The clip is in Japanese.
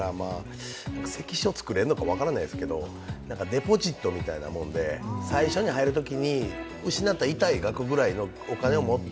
関所を作れるのか分からないですけどデポジットみたいなもので最初に入るときに失ったら痛いぐらいの額を持って